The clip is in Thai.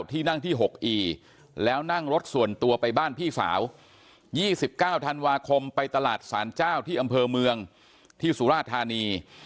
ที่นั่งที่๖อีแล้วนั่งรถส่วนตัวไปบ้านพี่สาว๒๙ธันวาคมไปตลาดสารเจ้าที่อำเภอเมืองที่สุราธานี